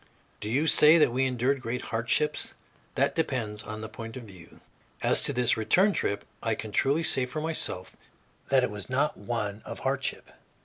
Do you say that we endured great hardships? That depends upon the point of view. As to this return trip, I can truly say for myself that it was not one of hardship.